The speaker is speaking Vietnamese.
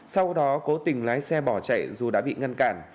sau đó cố tình lái xe bỏ chạy dù đã bị ngăn cản